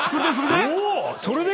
それで⁉